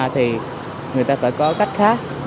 thì người ta phải có cách khác